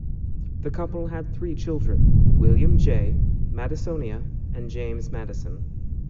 The couple had three children: William J., Madisonia, and James Madison.